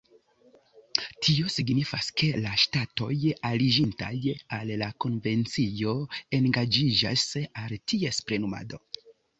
Tio signifas, ke la ŝtatoj aliĝintaj al la konvencio engaĝiĝas al ties plenumado.